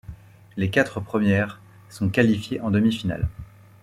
Les quatre premières sont qualifiées en demi-finales.